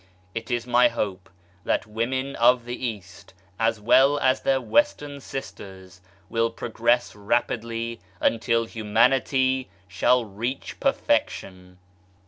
It is my hope that women of the East, as well as their Western sisters, will progress rapidly until Humanity shall reach perfection.